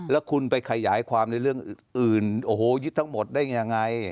แล้วคุณไปขยายความในเรื่องอื่นโอ้โหยึดทั้งหมดได้ยังไง